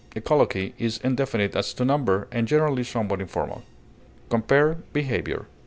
A colloquy is indefinite as to number, and generally somewhat informal. Compare BEHAVIOR.